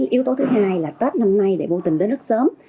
yếu tố thứ hai là tết năm nay lại bô tình đến rất sớm